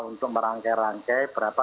untuk merangkai rangkai berapa